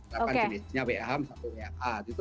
jadinya wm satu wm